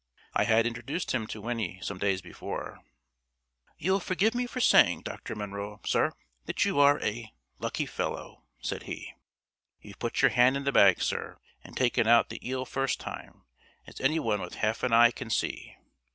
I had introduced him to Winnie some days before. "You'll forgive me for saying, Dr. Munro, sir, that you are a lucky fellow," said he. "You've put your hand in the bag, sir, and taken out the eel first time, as any one with half an eye can see.